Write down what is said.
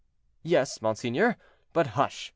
"Yes, monseigneur; but hush!